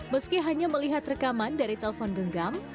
meski hanya melihat rekaman dari telpon genggam